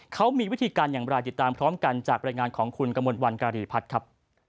เขามีวิธีการอย่างไรติดตามพร้อมกันจากบรรยายงานของคุณกมลวันการีพัฒน์ครับ